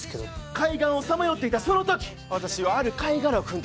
海岸をさまよっていたその時私はある貝殻を踏んでいた。